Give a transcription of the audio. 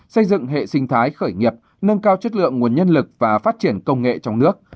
xây dựng hệ sinh thái khởi nghiệp nâng cao chất lượng nguồn nhân lực và phát triển công nghệ trong nước